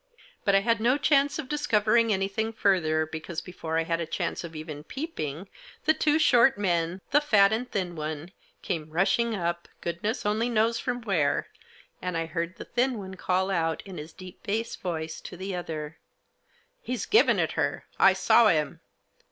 But I had no chance of discovering anything further, because, before I had a chance of even peeping, the two short men, the fat and thin one, came rushing up, goodness only knows from where, and I heard the thin one call out, in his deep bass voice, to the other : "He's given it her — I saw him!